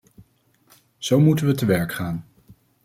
Zo moeten we te werk gaan.